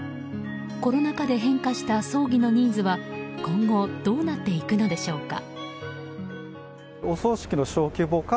コロナ禍で変化した葬儀のニーズは今後どうなっていくのでしょうか。